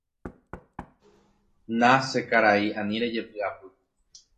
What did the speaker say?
Na che karai, ani rejepy'apy.